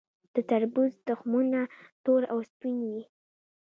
د تربوز تخمونه تور او سپین وي.